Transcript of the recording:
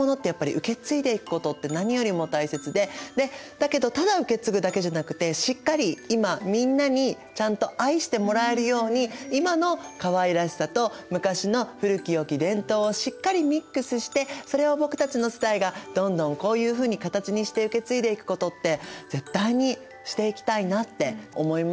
だけどただ受け継ぐだけじゃなくてしっかり今みんなにちゃんと愛してもらえるように今のかわいらしさと昔の古きよき伝統をしっかりミックスしてそれを僕たちの世代がどんどんこういうふうに形にして受け継いでいくことって絶対にしていきたいなって思いました。